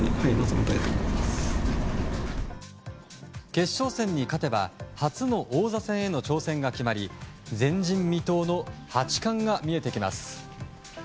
決勝戦に勝てば初の王座戦への挑戦が決まり前人未到の八冠が見えてきます。